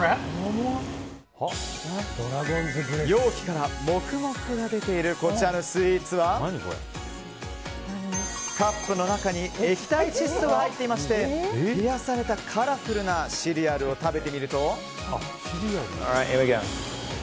容器からモクモクが出ているこちらのスイーツはカップの中に液体窒素が入っていまして冷やされたカラフルなシリアルを食べてみると。